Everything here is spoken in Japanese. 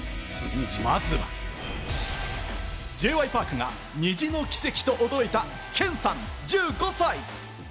まずは、Ｊ．Ｙ．ＰａｒｋがＮｉｚｉの奇跡と驚いたケンさん、１５歳。